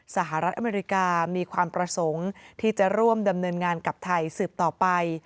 สหรัฐอเมริกามีความประสงค์ที่จะร่วมดำเนินงานกับไทยสืบต่อไป